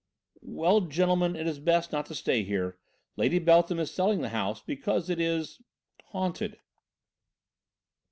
"Well, gentlemen, it is best not to stay here Lady Beltham is selling the house because it is haunted!"